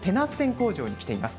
工場に来ています。